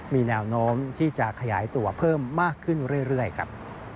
มีแนวโน้มที่จะขยายตัวเพิ่มมากขึ้นเรื่อยครับ